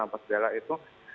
apa segala itu